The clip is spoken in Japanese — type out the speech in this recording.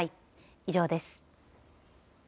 以上です。